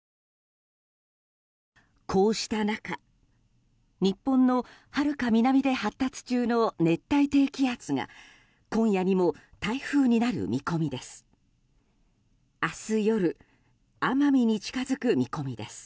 こうした中日本のはるか南で発達中の熱帯低気圧が今夜にも台風になる見込みです。